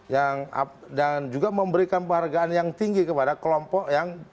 yang dan juga memberikan penghargaan yang tinggi kepada kelompok yang